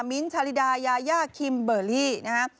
ชาลิดายายาคิมเบอร์รี่นะฮะ